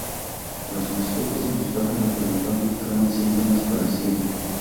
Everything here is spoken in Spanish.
Las mascotas y los pájaros del lugar mostraban síntomas parecidos.